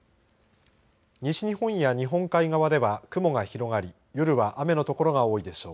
西日本や日本海側では雲が広がり夜は雨の所が多いでしょう。